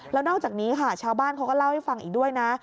แล้วนอกจากนี้ค่ะชาวบ้านเขาก็เล่าให้ฟังอีกด้วยนะ